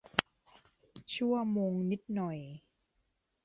ชั่วโมงนิดหน่อย